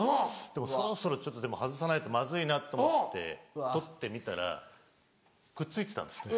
でもそろそろ外さないとまずいなと思って取ってみたらくっついてたんですね。